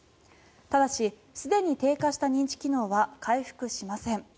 ただしすでに低下した認知機能は回復しません。